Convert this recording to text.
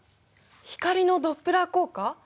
光のドップラー効果！？